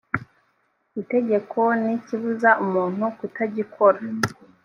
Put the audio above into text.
itegeko nicyibuza umuntu kutagikora .